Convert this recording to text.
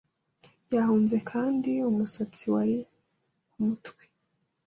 yahunze Kandi umusatsi wari kumutwe